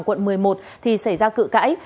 quận một mươi một thì xảy ra cự cãi